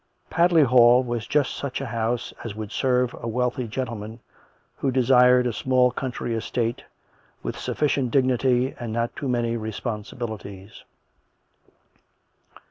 Padley Hall was just such a house as would serve a wealthy gentleman who desired a small country estate with sufficient dignity and not too many responsibilities.